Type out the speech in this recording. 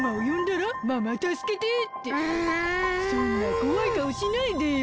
そんなこわいかおしないでよ。